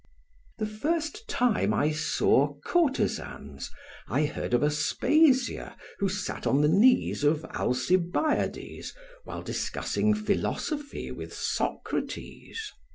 The first time I saw courtesans I heard of Aspasia who sat on the knees of Alcibiades while discussing philosophy with Socrates.